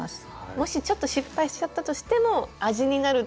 もしちょっと失敗しちゃったとしても味になるという。